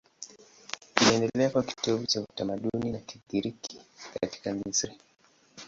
Iliendelea kuwa kitovu cha utamaduni wa Kigiriki katika Misri.